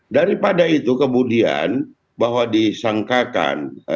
daripada itu kemudian bahwa disangkakan